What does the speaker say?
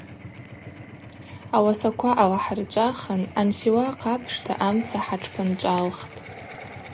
Ауасаква алахӏырчӏвахын ансиуахъ апшта амца хӏатшпынчӏвалхтӏ.